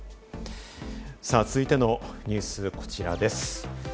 続いてのニュース、こちらです。